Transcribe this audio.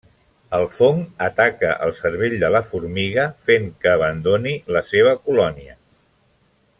El fong ataca el cervell de la formiga fent que abandoni la seva colònia.